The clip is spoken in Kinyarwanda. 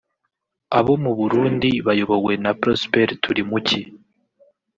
abo mu Burundi bayobowe na Prosper Turimuki